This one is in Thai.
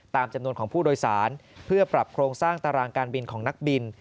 ตามจำนวนของผู้โดยสารเพื่อปรับโครงสร้างตารางการบินของนักบิน